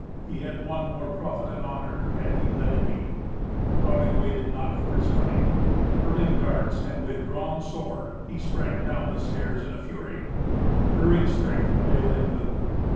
He had won more profit and honour had he let it be. Hagen waited not for his coming. Hurling darts, and with drawn sword, he sprang down the stairs in a fury. Iring's strength availed him little.